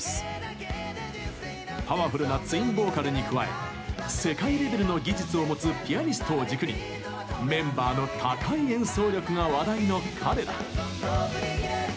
パワフルなツインボーカルに加え世界レベルの技術を持つピアニストを軸にメンバーの高い演奏力が話題の彼ら。